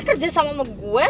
kerja sama ama gue